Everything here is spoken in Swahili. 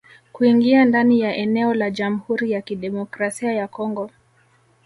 Kuingia ndani ya eneo la Jamhuri ya Kidemokrasia ya Kongo